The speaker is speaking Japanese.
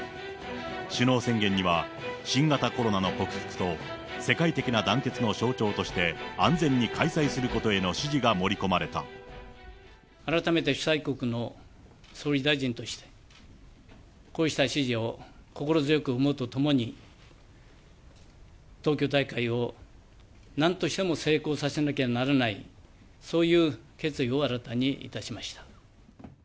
首脳宣言には、新型コロナの克服と、世界的な団結の象徴として安全に開催することへの支持が盛り込ま改めて主催国の総理大臣として、こうした支持を心強く思うとともに、東京大会をなんとしても成功させなきゃならない、そういう決意を新たにいたしました。